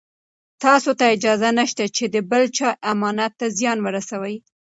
تاسو ته اجازه نشته چې د بل چا امانت ته زیان ورسوئ.